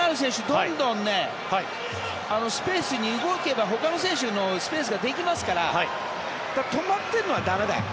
どんどんスペースに動けばほかの選手のスペースができますから止まっているのは駄目だよ